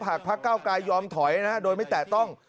พระเก้ากายยอมถอยโดยไม่แตะต้อง